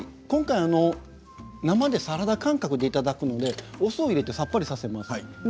今回、生でサラダ感覚でいただくので、お酢を入れてさっぱりさせます。